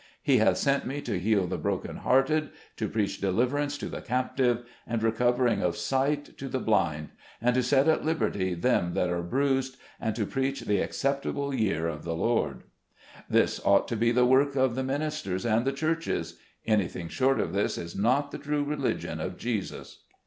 He hath sent me to heal the broken hearted ; to preach deliverance to the captive, and recovering of sight to the blind ; to set at liberty them that are bruised, and to preach the acceptable year of the Lord." This ought to be the work of the ministers and the churches. Anything short of this is not the true religion of Jesus.